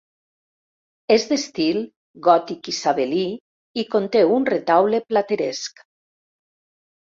És d'estil gòtic isabelí i conté un retaule plateresc.